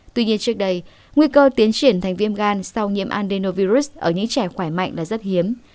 tuy nhiên trước đây nguy cơ tiến triển thành viêm gan sau nhiễm aldenovirus ở những trẻ khỏe mạnh là rất hiếm